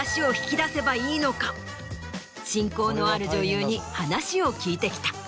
親交のある女優に話を聞いてきた。